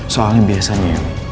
soalnya biasanya yomi